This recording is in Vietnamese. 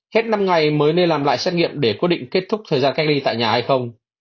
hết năm ngày mới nên làm lại xét nghiệm để quyết định kết thúc thời gian cách ly tại nhà hay không